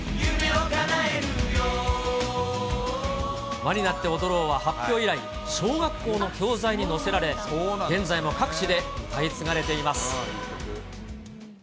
ＷＡになっておどろうは、発表以来小学校の教材にも載せられ、現在も各地で歌い継がれています。